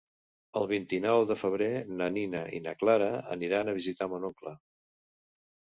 El vint-i-nou de febrer na Nina i na Clara aniran a visitar mon oncle.